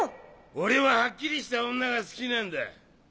俺ははっきりした女が好きなんだ。